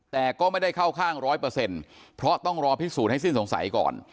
แต่ก็ไม่ได้เข้าข้าง๑๐๐เพราะต้องรอพิสูจน์ให้สิ้นสงสัยก่อน